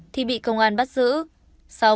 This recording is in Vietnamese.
thì bị công an bắt giữ sau